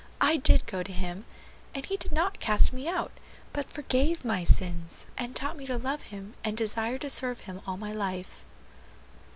I did go to Him, and He did not cast me out, but forgave my sins, and taught me to love Him and desire to serve Him all my life."